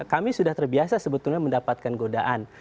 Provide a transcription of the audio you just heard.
kami sudah terbiasa sebetulnya mendapatkan godaan